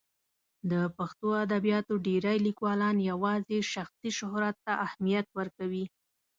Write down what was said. د پښتو ادبیاتو ډېری لیکوالان یوازې شخصي شهرت ته اهمیت ورکوي.